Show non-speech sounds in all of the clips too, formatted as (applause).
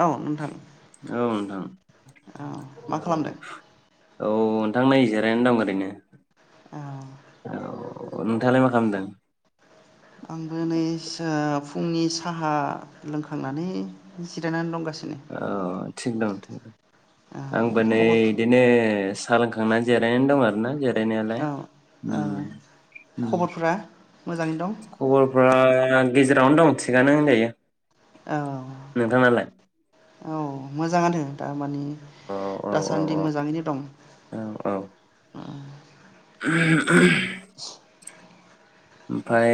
औ नोंथां औ नोंथां। औ मा खालामदों? औ नोंथां नै जिरायनानै दं ओरैनो। औ। औ नोंथाङालाय मा खालामदों? आंबो नै सा फुंनि साहा लोंखांनानै जिरायनानै दंगासिनो। (inaudible) औ थिग दं माथौ औ आंबो नै खबर इदिनो सा लोंखांना जिरायना दं आरो ना जानायालाय औ औ उम उम खबरफोरा मोजाङैनो दं खबरफ्रा गेजेरावनो दं थिगानो होनजायो औ नोंथांआलाय? मोजांआनो दा मानि औ औ दासान्दि औ मोजाङैनो दं औ औ अ (inaudible) ओमफ्राय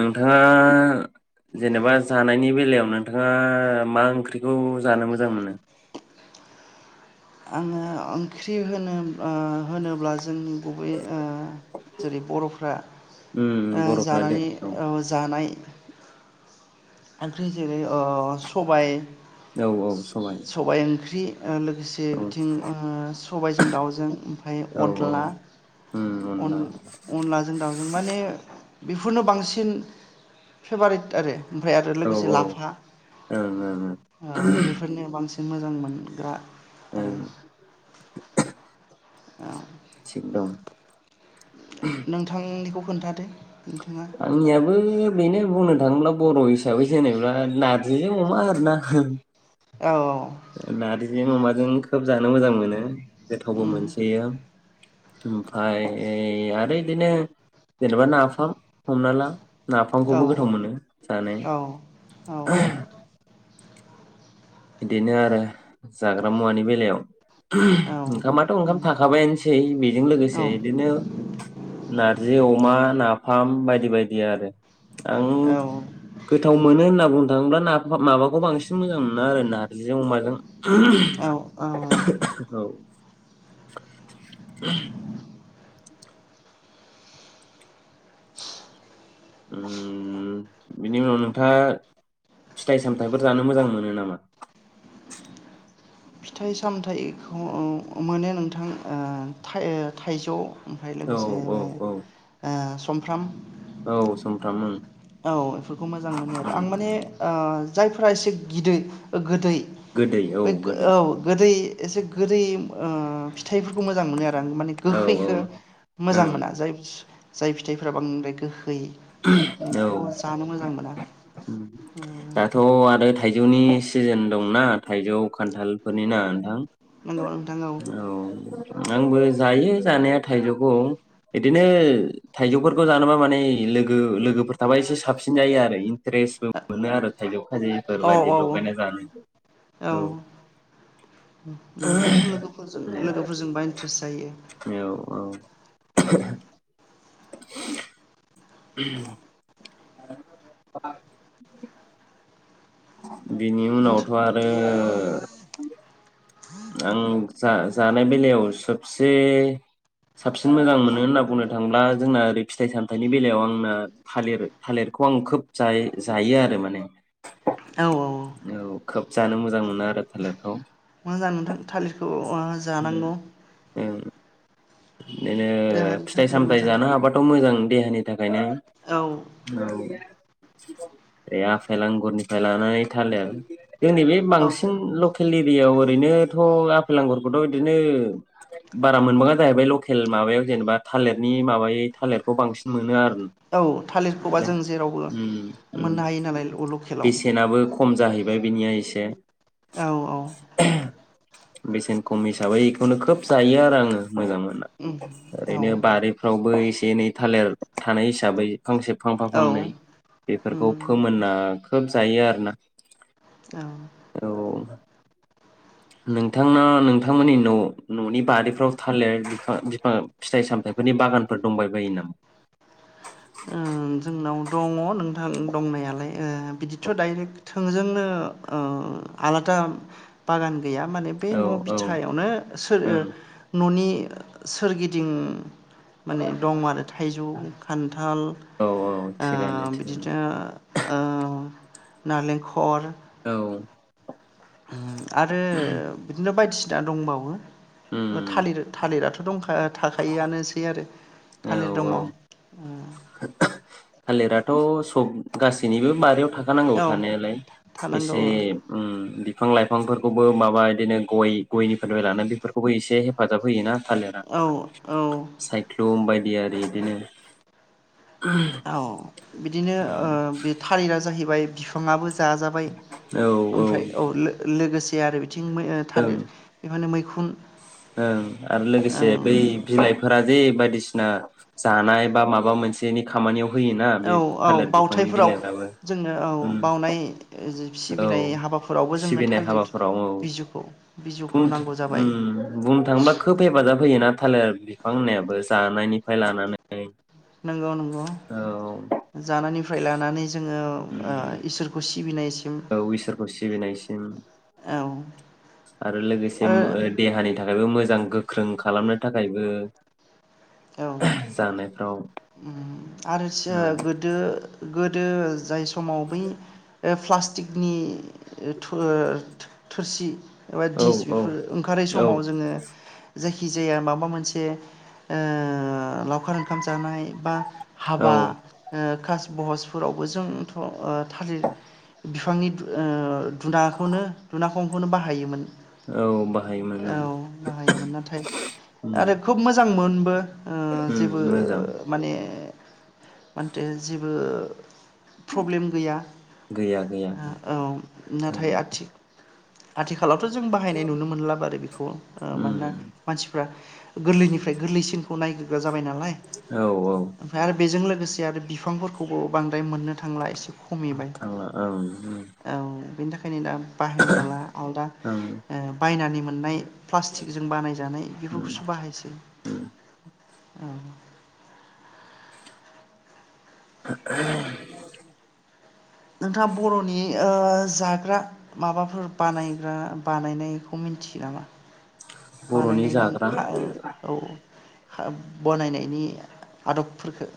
नोंथाङा जेनेबा जानायनि बेलायाव नोंथाङा मा ओंख्रिखौ जानो मोजां मोनो? आङो ओंख्रि होनो आ होनोब्ला जोंनि गुबै अ जेरै बर'फ्रा अ उम बर'फ्रा दे जानानै अ औ जानाय ओमफ्राय जेरै- अ औ औ सबाय सबाय-सबाय ओंख्रि लोगोसे औ बिथिं अ सबायजों दाउजों ओमफ्राय औ औ अतला उम अनला अन-अनलाजों दाउजों माने बेफोरनो बांसिन फेभारेट आरो ओमफ्राय आरो औ लोगोसे ओं लाफा ओं अ बेफोरनो बांसिन मोजां मोनग्रा आरो ओं (inaudible) औ थिग दं नोंथांनिखौ खोन्थादो नोंथाङा आंनियाबो बेनो बुंनो थाङोब्ला बर' हिसाबै जेनेबा नारजिजों अमा आरोना औ नारजि अमा जों खोब जानो मोजां मोनो। गोथावबो मोनसोयो। ओमफाय आरो बिदिनो जेनेबा ना हमना ला औ नाफामखौबो गोथाव मोनो जानो। औ औ बिदिनो आरो जाग्रा मुवानि बेलायाव। औ ओंखामाथ' ओंखाम नंगौ थाखाबायानोसै बेजों औ लोगोसे बिदिनो नारजि, अमा, ना (unintelligible) बायदि बायदि आरो आं औ गोथाव मोनो होनना बुंनो थाङोब्ला ना माबाखौ बांसिन मोजां मोनो। मोनो आरो नारजिजों अमाजों औ औ औ। ओ बिनि उनाव नोंथाङा फिथाइ सामथायाइफोर जानो मोजां मोनो नामा? फिथाइ सामथायाइखौ मोनो नोंथां थाइ- थाइजौ ओमफ्राय औ लोगोसे औ बे औ ओ समफ्राम औ समफ्राम ओं। औ बेफोरखौ मोजां मोनो आरो उम आं माने ओ जायफोरा एसे गिदै गोदै गोदै बै गोदै औ गोदै एसे गोदै ओ फिथाइफोरखौ मोजां मोनो। माने औ औ गोखैखो मोजां ओं मोना जाय जाय फिथाइफोरा बांद्राय गोखै औ गोखै (unintelligible) (unintelligible) जानो मोजां मोना। दाथ' आरो थाइजौनि सिजोन दंना थाइजौ खान्थालफोरनि ना नोंथां? नंगौ नोंथां औ। आंबो जायो जानाया थाइजौखौ बिदिनो थाइजौफोरखौ जानोबा माने लोगो लोगोफोर थाबा एसे साबसिन जायो आरो। फ्रेसबो मोनो आरो थाइजौ औ औ खाजि फोरबायादि औ लगायना नंगौ जानो लोगोफोरजों औ लोगोफोरजोंबा इन्ट्रेस्ट जायो औ औ। (unintelligible) (unintelligible) (unintelligible) (unintelligible) बिनि उनावथ' नोंथां आरो आं जा जानाय बेलायाव सबसे साबसिन मोजां मोनो होनना बुंनो थांब्ला जोंना ओरै फिथाइ सामथायाइनि बेलायाव आंना थालिर थालिरखौ आं खोब जायो आरो माने औ औ औ खोब जानो मोजां मोनो आरो थालिरखौ मोजां नोंथां थालिरखौ जानांगौ ओं बिदिनो देहानि फिथाइ थाखाय सामथाय मोजां जानो हाबाथ' मोजां देहानि ओंखायनो औ औ आफेल आंगुरनिफ्राय लानानै थालेर दिनै बे औ बांसिन लक जोंनि बियाव ओरैनोथ' आफेल आंगरखौथ' बिदिनो बारा मोनबाङा जाहैबाय लकेल माबायाव जेनेबा थालिरनि माबायै थालिरखौ बांसिन मोनो आरो औ थालिरखौबा जों जेरावबो उम उम मोननो हायो नालाय लक बेसेनाबो खम खम जाहैबाय बिनिया इसे औ औ बेसेन खम हिसाबै बेखौनो खोब जायो आरो आङो मोजां मोनना उम औ ओरैनो बारिफ्रावबो एसे एनै थालिर थानाय हिसाबैखां फांसे फांफा औ फांनै उम बेफोरखौ फोमोनना खोब जायो आरो ना औ औ नोंथाङा नोंथांमोननि न' न'नि बारिफोराव थालिर बिफां बिफां फिथाइ सामथायाइफोरनि बागानफोर दंबायबायो ओ जोंनाव नामा दङ नोंथां दंनायालाय ओ बिदिथ' दाइरेक्ट थोंजोंनो अ आलादा बागान गैया माने बे औ न' औ बिथथायावनो सोर ओं न'नि सोरगिदिं माने दं आरो थाइजौ खान्थाल औ औ आ थिगानो बि थिगानो बिदिनो ओ नालेंखल औ आरो बिदिनो बायदिसिन बि दा दंबावो उम थालिर थालिराथ' दंखा थाखायआनोसै आरो औ थालिर दङ औ थालिराथ' सब गासैनिबो बारियाव थाखानांगौ थानायालाय थानांगौ एसे औ ओम बिफां लाइफांफोरखौबो माबा बिदिनो गय गयनिफोर लानानै बेफोरखौबो एसे हेफाजाब होयो ना औ औ सायख्लुम बायदि आरि बिदिनो (inaudible) औ बिदिनो ओ-बे थालिरा जाहैबाय बिफाङाबो जाजाबाय ओमफ्राय औ लो-लोगोसे आरो बिथिं ओं थालिर बेफोरनो मैखुन ओं आरो लोगोसे बै ओं बिलाइफोरा जे बायदिसिना जानाय बा माबामोनसेनि खामानियाव होयोना बे औ औ थालिर बिफांनि बावउथायफोराव बिलाइफ्राबो जोंनो औ उम बावनाय। सिबिनाय औ हाबाफोरावबो जोंनो सिबिनाय थालिर हाबाफोराव औ बिजुखौ बुं बिजौखौ नांगौ जाबाय। उम बुंनो थाङोब्ला खोब हेफाजाब होयोयोना थालिर बिफां होननायाबो जानायनिफ्राय लानानै। नंगौ नंगौ औ जानायनिफ्राय लानानै जोङो। उम ओ इसोरखौ सि सिबिनाइ। औ इसोरखौ सिबिनायसिम औ आरो लोगोसे ओम आरो देहानि। नि थाखायबो मोजां गोख्रों खालामनो थाखायबो जानायफ्राव। आरोसो औ गोदो गोद दो जाय सु समाव बै ओ-प्लास्टिकनि (unintelligible) थोरसि एबा औ डिस औ बेफोर ओंखारै औ समाव जोङो। जायखिजाया माबा मोनसे ओ- लावखार ओंखाम जानाय। औ हाबा ओ- कास बहसफोरावबो जोंथ' थालिर बिफांनि ओ- दुनाखौनो दुनाखौ खंखौनो बाहायोमोन। औ बाहायोमोन औ ओं बाहायोमोन नाथाय उम आरो खोब मोजांमोन। बो ओ- उम जेबो मोजां माने मानथो जेबो प्रब्लेम गैया गैया गैया गैया ओ-औ नाथाय औ आथिख आथिखा आथिखालावथ' जों बाहायनाय नुनो मोनला बा आरो बेखौ ओ-मानोना उम मानसिफ्रा गोरलैनिफ्राय गोरलैसिन। खौनायगोर औ औ बेजों लोगोसे आरो बिफांफोरखौबो बांद्राय मोननो थांला एसे खमिबाय औ औ बेनि थाखायनो दा बाहायनाय नुला आलदा ओं बायनानै मोननाय प्लास्टिकजों बानायजानाय उम बेफोरखौसो बाहायसै। उम औ (inaudible) नोंथाङा बर'नि ओ जाग्रा माबाफोर बानायग्रा बानायनायखौ मोनथियो नामा? बर'नि बानायनायनि जाग्रा खा औ बनायनायनि आदबफोरखो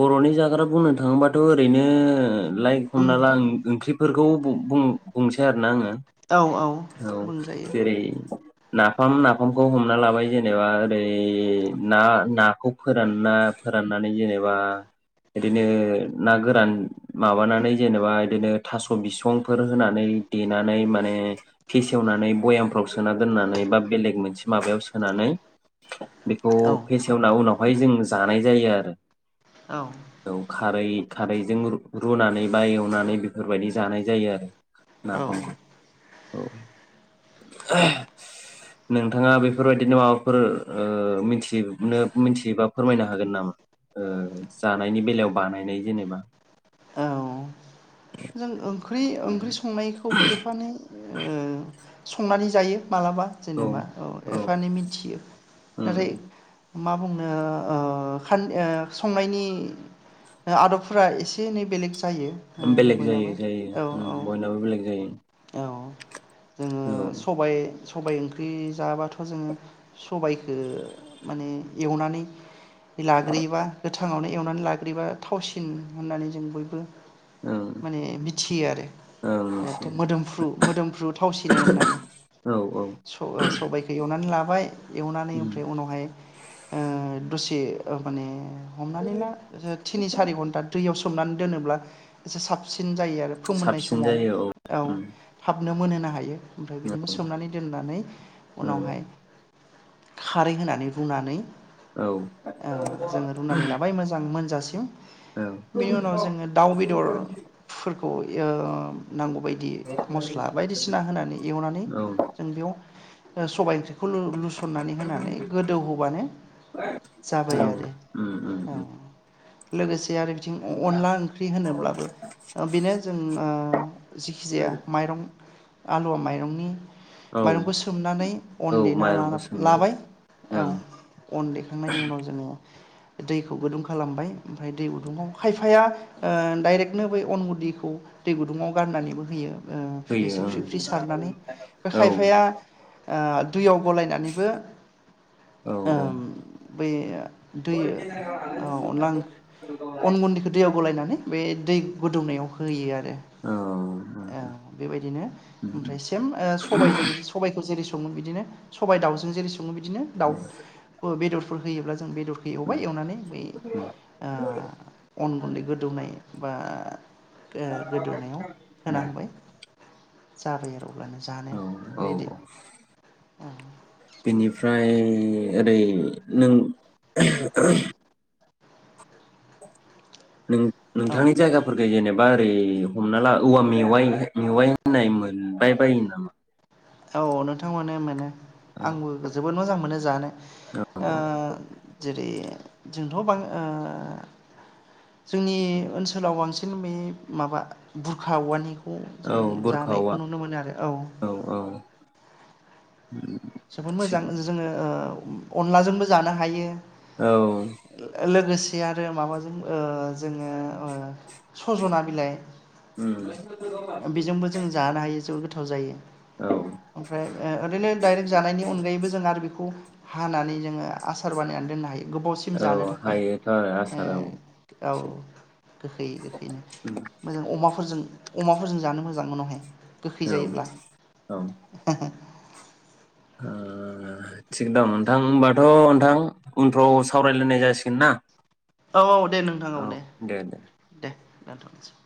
बर'नि जाग्रा बुंनो थाङोबाथ ओरैनो- लाइक हमना ला ओंख्रिफोरखौ बुं‌ बुंसै आरोना आङो औ औ बुंजायो। जेरै नाफाम नाफामखौ हमना लाबाय जेनेबा ओरै ना नाखौ फोरानना फोराननानै जेनेबा बिदिनो ना गोरान माबानानै जेनेबा बिदिनो थास‌ बिसंफोर होनानै देनानै माने फेसेवनानै भयामफ्राव सोना दोननानै बा बेलेग मोनसे माबायाव सोनानै बेखौ औ फेसेवना उनाव- बेवहाय जों जानाय जायो आरो औ औ खारै- खारैजों रुनानै बा एवनानै बेफोरबायदि जानाय जायो आरो औ नाफामखौ। औ नोंथाङा बेफोरबायदिनो माबाफोर मिथिनो मिथियोबा फोरमायनो हागोन नामा जानायनि बेलायाव बानायनाय जेनेबा? औ जों ओंख ओंख्रि ओंख्रि संनायखौबो एफा एनै ओ संनानै जायो। मालाबा जेनेबा औ एफा एनै मिथियो नाथाय मा बुंनो ओ खान संनायनि आदबफोरा एसे एनै बेलेग जायो। उम बेलेग बयनाबो जायो जायो औ औ ओ बयनाबो बेलेग जायो। औ जोङो औ सबाय। सबाय ओंख्रि जाबाथ जोङो सबायखो माने एवनानै लाग्रोयोबा गोथाङावनो एवनानै लाग्रोयोबा थावसिन होननानै जों बयबो। ओं माने मिथियो आरो ओं मिथियो मोदोमफ्रु मोदोमफ्रु थावसिनो होननानै औ औ स-सबायखौ एवनानै ला बाय। एवनानै उम ओमफ्राय उनावहाय ओ दसे माने हमनानै ला थिनि सारि घन्टा दैयाव सो सोमनानै दोनोब्ला एसे साबसिन। जायो आरो फोमोननाय साबसिन समाव। जायो औ उम थाब। नो मोनहोनो हायो। ओमफ्राय औ बिदिनो उम सोमनानै दोननानै उनावहाय। खारै होनानै रूनानै औ औ जोङो रुनानै लाबाय मोजां (unintelligible) जासिम। औ बेनि उनाव जोङो दाउ बेदरफोरखौ (unintelligible) नांगौबा दि मस्ला बायदिसिना होनानै एवनानै औ जों बेयाव (unintelligible) (unintelligible) लुसननानै होनानै गोदौहोबानो जाबाय आरो उम उम औ। उम लोगोसे आरो बिथिं अनला ओंख्रि होनोब्लाबो बेनो जों ओ जेखि जाया माइरं आलुवा माइरंनि औ माइरंखौ सोमनानै औ अन देना माइरंखौ सोमना लाना-लाबाय औ ओं अन देखांनायनि उनाव जोङो दैखौ गुदुं खालामबाय ओमफ्राय दै गुदुंङाव खायफाया ओ डाइरेक्टनो बै अन गुदिखौ दै गुदुङाव गारनानैबो होयो। औ एसे होयो फ्रि फ्रि ओं सारनानै बे औ खायफाया ओ दुइयाव गलायनानैबो औ ओ बै दैयो ओ अनला अन गुन्दैखौ दैयाव गलायनानै बे दै गोदौनायाव होयो आरो। औ बेबायदिनो ओमफ्राय औ सेम सबजों सबायखौ जेरै बिदिनो सबाय दाउजों जेरै (unintelligible) बिदिनो दाउ बेदर होयोब्ला जों बेदरखौ एवबाय एवनानै बै ओ अन गुन्दै गोदौनाय बा गो गोदौनायाव होना होबाय जाबाय आर औ औ बेनिफ्राय ओरै नों (unintelligible) औ नों-नोंथांनि जायगाफोरखौ जेनेबा बा ओरै हमना ला औवा मेवाय मेवाय होननाय मोनबाय बायो नामा? औ नोंथां मोनो मोनो। औ आंबो जोबोद मोजां मोनो जानो औ ओ जेरै जोंथ' बां ओ जोंनि ओनसोलाव बांसिन बे माबा बुरखा औवानि बे औ जों बुरखा जानायखौ औवा नुनो मोनो आरो औ जोबोद थिग मोजां जोङो ओ औ अनलाजोंबो जानो हायो। औ लोगोसे आरो माबाजों ओ जोङो ओ सजना बिलाइ उम बेजोंबो जों जानो हायो जोबोद गोथाव जायो औ ओमफ्राय ओ ओरैनो दाइरेक्ट जानायनि अनगायैबो जों आरो बेखौ हानानै जोङो आसार बानायनानै दोननो हायो। गोबावसिम औ जानो थाखाय हायोथ' आरो आसार औ ओ औ गोखै गोखैनो मोजां अमाफोरजों। अमाफोरजों जानो मोजां उनावहाय गोखै औ जायोब्ला औ (unintelligible) ओ थिग दं नोंथां होनबाथ' नोंथां उनफ्राव सावरायलायनाय जासिगोन ना? औ औ दे नोंथां औ दे दे दानथ'नोसै